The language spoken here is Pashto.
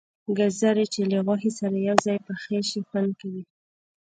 گازرې چې له غوښې سره یو ځای پخې شي خوند کوي.